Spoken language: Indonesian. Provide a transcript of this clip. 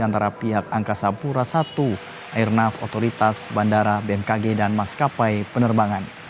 antara pihak angkasa pura i airnav otoritas bandara bmkg dan maskapai penerbangan